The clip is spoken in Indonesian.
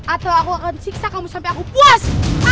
atau aku akan siksa kamu sampai aku puas